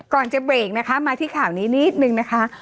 จะเบรกนะคะมาที่ข่าวนี้นิดนึงนะคะ